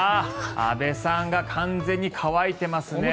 安部さんが完全に乾いてますね。